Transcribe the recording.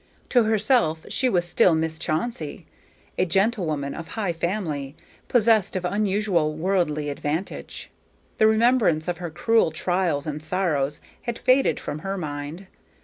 To herself she was still Miss Chauncey, a gentlewoman of high family, possessed of unusual worldly advantages. The remembrance of her cruel trials and sorrows had faded from her mind.